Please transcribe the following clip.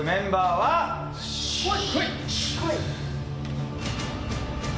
はい。